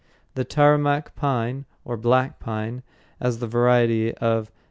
The "tamarac pine" or black pine, as the variety of _P.